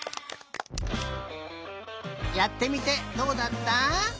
やってみてどうだった？